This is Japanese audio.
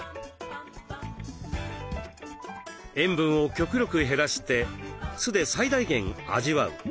塩分を極力減らして酢で最大限味わう。